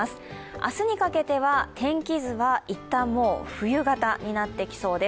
明日にかけては天気図は一旦もう冬型になってきそうです。